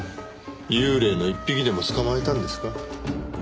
幽霊の一匹でも捕まえたんですか？